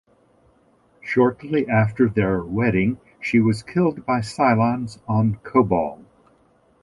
Shortly after their wedding, she was killed by Cylons on Kobol.